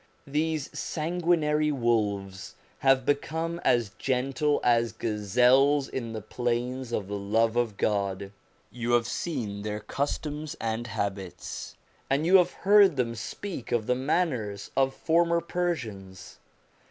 These sanguinary wolves have become as gentle as gazelles in the plains of the love of God. You have seen their customs and habits, and you have heard them speak of the manners of former Persians.